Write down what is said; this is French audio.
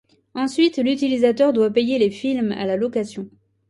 Ensuite l'utilisateur doit payer les films à la location.